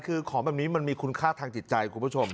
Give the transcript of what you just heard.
คือของแบบนี้มันมีคุณค่าทางจิตใจ